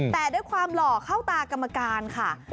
แต่ด้วยความหล่อเข้าตากรรมการค่ะ